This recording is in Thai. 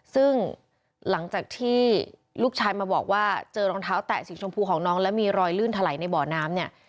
ซึ่งหลังจากที่ลูกชายมาบอกว่าเจอรองเท้าแตะสีชมพูของน้องแล้วมีรอยลื่นถลายในบ่อน้ำเนี่ย